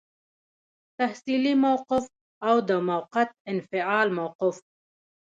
تحصیلي موقف او د موقت انفصال موقف.